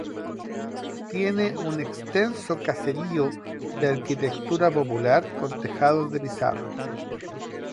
Tiene un extenso caserío de arquitectura popular con tejados de pizarra.